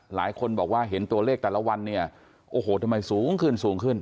หลายคนบอกว่าเห็นตัวเลขแต่ละวันเนี่ยโอ้โหทำไมสูงขึ้นสูงขึ้น